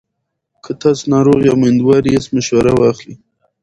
که تاسو ناروغ یا میندوار یاست، مشوره واخلئ.